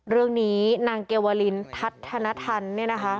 เรื่องนี้นางเกวลินทัศนธรรมเนี่ยนะคะ